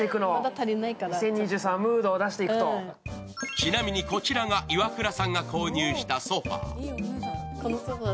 ちなみに、こちらがイワクラさんが購入したソファー。